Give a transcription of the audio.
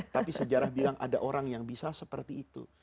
tapi sejarah bilang ada orang yang bisa seperti itu